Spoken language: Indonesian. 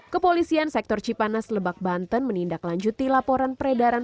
kepolisian sektor cipanas lebak banten menindaklanjuti laporan peredaran